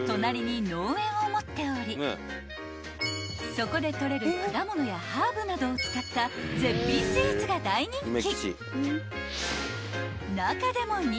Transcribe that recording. そこでとれる果物やハーブなどを使った絶品スイーツが大人気］